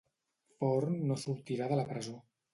Forn no sortirà de la presó